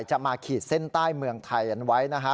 จะมาขีดเส้นใต้เมืองไทยอันไว้